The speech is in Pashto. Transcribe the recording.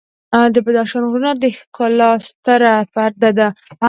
د بدخشان غرونه د ښکلا ستره پرده ده.